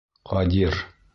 Ҡадир!